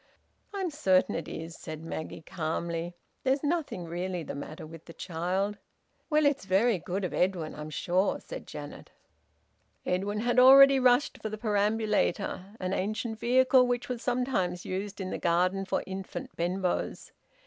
"I'm certain it is," said Maggie calmly. "There's nothing really the matter with that child." "Well, it's very good of Edwin, I'm sure," said Janet. Edwin had already rushed for the perambulator, an ancient vehicle which was sometimes used in the garden for infant Benbows.